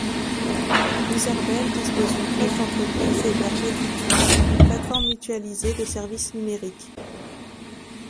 Izarbel dispose d’une crèche d’entreprise et héberge Aditu, une plateforme mutualisée de services numériques.